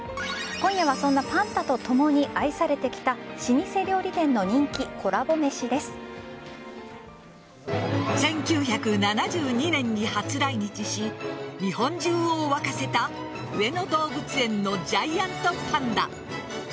今夜はそんなパンダとともに愛されてきた１９７２年に初来日し日本中を沸かせた上野動物園のジャイアントパンダ。